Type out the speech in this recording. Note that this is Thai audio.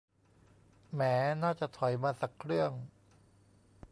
แหม น่าจะถอยมาสักเครื่อง